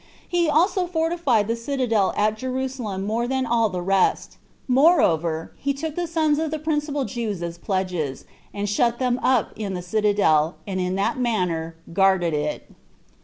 He also fortified the citadel at Jerusalem more than all the rest. Moreover, he took the sons of the principal Jews as pledges, and shut them up in the citadel, and in that manner guarded it.